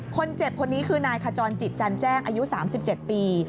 คนเจ็บคนนี้คือนายขจรจิตจันแจ้งอายุ๓๗ปี